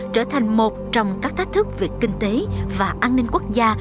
trở thành một trong các thách thức về kinh tế và an ninh quốc gia